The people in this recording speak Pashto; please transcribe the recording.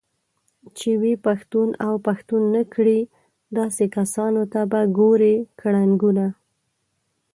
چې وي پښتون اوپښتونكړي داسې كسانوته به ګورې كړنګونه